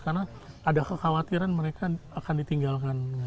karena ada kekhawatiran mereka akan ditinggalkan